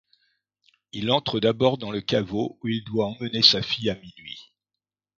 Il entre d'abord dans le caveau où il doit emmener sa fille à minuit.